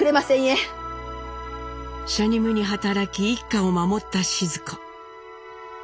しゃにむに働き一家を守ったシヅ子。